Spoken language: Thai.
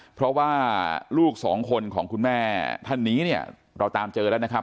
เพราะว่าลูกสองคนของคุณแม่ท่านนี้เนี่ยเราตามเจอแล้วนะครับ